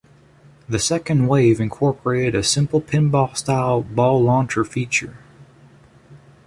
The second wave incorporated a simple pinball-style ball launcher feature.